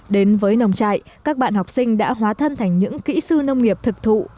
đến với nông trại các bạn học sinh đã hóa thân thành những kỹ sư nông nghiệp thực thụ